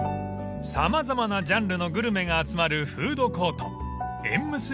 ［様々なジャンルのグルメが集まるフードコート］